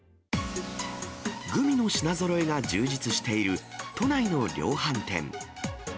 グミの品ぞろえが充実している都内の量販店。